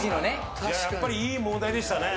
やっぱりいい問題でしたね。